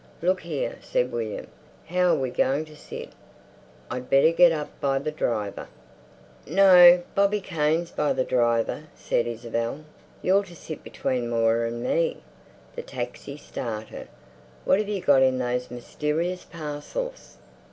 "Look here," said William, "how are we going to sit? I'd better get up by the driver." "No, Bobby Kane's by the driver," said Isabel. "You're to sit between Moira and me." The taxi started. "What have you got in those mysterious parcels?"